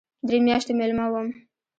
درې میاشتې مېلمه وم.